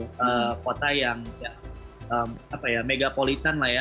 kota yang apa ya megapolitan lah ya kota yang apa ya megapolitan lah ya kota yang apa ya megapolitan lah ya